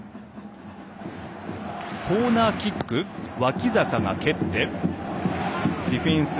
コーナーキック脇坂が蹴ってディフェンス。